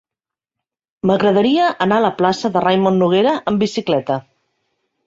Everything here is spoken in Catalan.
M'agradaria anar a la plaça de Raimon Noguera amb bicicleta.